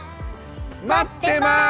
待ってます！